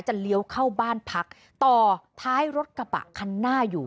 เลี้ยวเข้าบ้านพักต่อท้ายรถกระบะคันหน้าอยู่